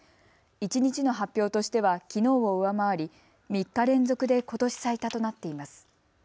一日の発表としてはきのうを上回り３日連続でことし最多となっています。